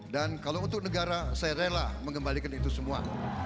dan kalau untuk negara saya rela mengembalikan itu semua